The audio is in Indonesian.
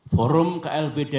forum klb deli serdak